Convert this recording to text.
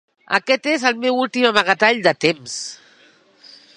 Aquest és el meu últim amagatall de temps.